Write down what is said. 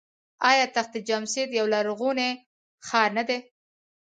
آیا تخت جمشید یو لرغونی ښار نه دی؟